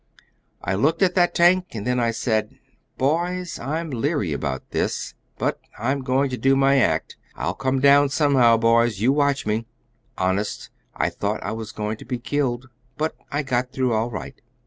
I looked at that tank, and then I said, 'Boys, I'm leary about this, but I'm going to do my act. I'll come down somehow, boys; you watch me.' Honest, I thought I was going to be killed, but I got through all right."